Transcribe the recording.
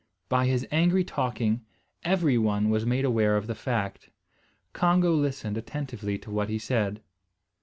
By his angry talking, every one was made aware of the fact. Congo listened attentively to what he said.